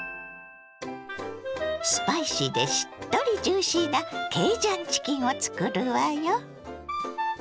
スパイシーでしっとりジューシーなケイジャンチキンを作るわよ！